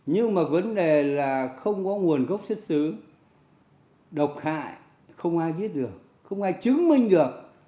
nhưng mà vấn đề là không có nguồn gốc xuất xứ độc hại không ai biết được không ai chứng minh được